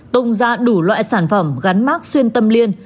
tông ra đủ loại sản phẩm gắn mark xuyên tâm liên